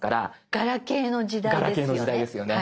ガラケーの時代ですよね。